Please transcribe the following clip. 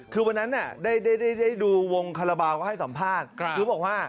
คือวันนั้นได้ดูวงคาราบาลก็ให้สัมภาษณ์